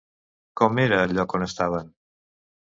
Com era el lloc on estaven?